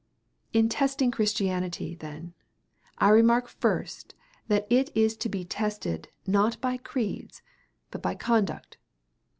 In testing Christianity, then, I remark first that it is to be tested not by creeds, but by conduct.